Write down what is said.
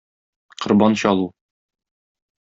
Корбан чалу.